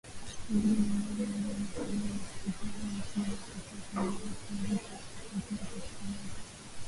Pamoja na mauzo haramu ya silaha, washtakiwa hao pia wanashtakiwa kwa uhalivu wa vita, kushiriki katika harakati za uasi na kushirikiana na wahalifu.